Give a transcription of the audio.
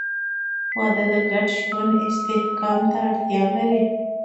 • واده د ګډ ژوند استحکام ته اړتیا لري.